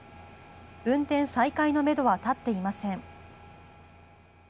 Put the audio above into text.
運転再開のめどは立っていません。